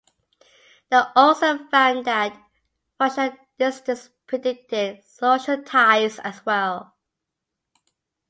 They also found that functional distance predicted social ties as well.